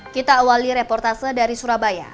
kita awali reportase dari surabaya